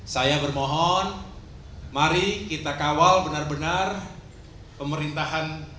saya bermohon mari kita kawal benar benar pemerintahan presiden joko widodo